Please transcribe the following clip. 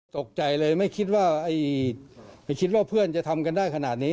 ตกใจเลยไม่คิดว่าไม่คิดว่าเพื่อนจะทำกันได้ขนาดนี้